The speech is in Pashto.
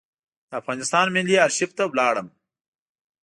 د افغانستان ملي آرشیف ته ولاړم.